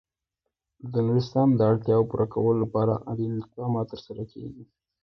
د نورستان د اړتیاوو پوره کولو لپاره اړین اقدامات ترسره کېږي.